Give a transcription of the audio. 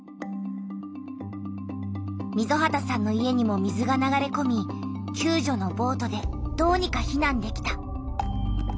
溝端さんの家にも水が流れこみきゅう助のボートでどうにか避難できた。